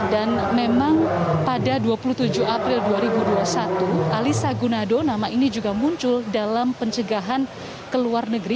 dan memang pada dua puluh tujuh april dua ribu dua puluh satu alisa gunado nama ini juga muncul dalam pencegahan keluar negeri